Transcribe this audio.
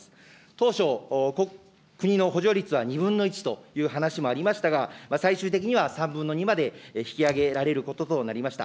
当初、国の補助率は２分の１という話もありましたが、最終的には３分の２まで引き上げられることとなりました。